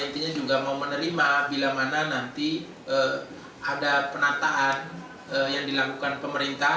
intinya juga mau menerima bila mana nanti ada penataan yang dilakukan pemerintah